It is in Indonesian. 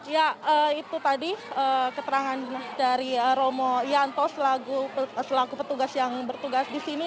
ya itu tadi keterangan dari romo yanto selaku petugas yang bertugas di sini